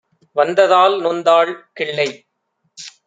வந்ததால் நொந்தாள் கிள்ளை